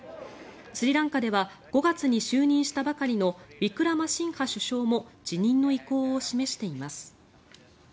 スリランカでは５月に就任したばかりのウィクラマシンハ首相も辞任の意向を示しています。